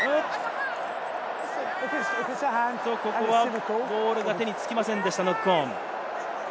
ここはボールが手につきませんでした、ノックオン。